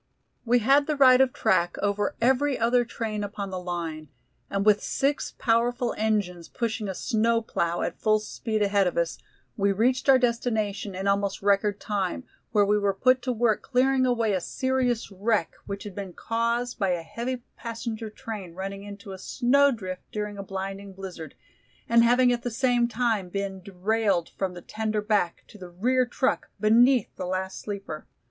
We had the right of track over every other train upon the line, and with six powerful engines pushing a snow plow at full speed ahead of us, we reached our destination in almost record time, where we were put to work clearing away a serious wreck, which had been caused by a heavy passenger train running into a snow drift during a blinding blizzard, and having at the same time been derailed from the tender back to the rear truck beneath the last sleeper.